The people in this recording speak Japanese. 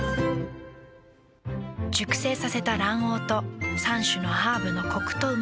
熟成させた卵黄と３種のハーブのコクとうま味。